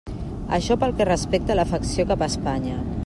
Això pel que respecta a l'afecció cap a Espanya.